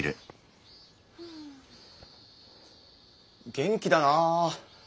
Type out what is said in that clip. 元気だなぁ。